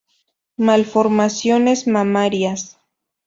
Malformaciones mamarias.